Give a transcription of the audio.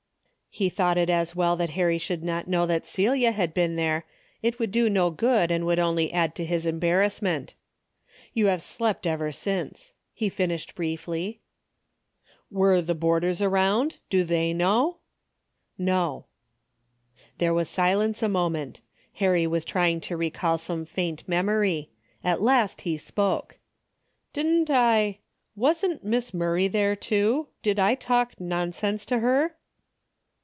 He thought it as well that Harry should not know that Celia had been there ; it could do no good and would only add to his embarrassment. " You have slept ever since," he finished briefly. "Were the boarders around? Do the}^ know ?" "Ho." There was silence a moment. Harry was trying to recall some faint memory. At last he spoke. " Didn't I, — Wasn't Miss Murray there too ? Did I talk nonsense to her